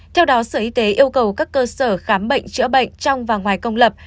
theo đó sở y tế yêu cầu các cơ sở khám bệnh chữa bệnh trong và ngoài công lập